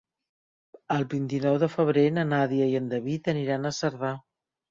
El vint-i-nou de febrer na Nàdia i en David aniran a Cerdà.